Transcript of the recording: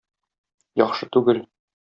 Яхшы түгел...